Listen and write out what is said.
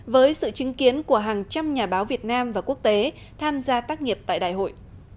với sự chứng kiến của hàng trăm nhà báo việt nam và quốc tế tham gia tác nghiệp tại đại hội